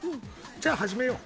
じゃあ、始めよう。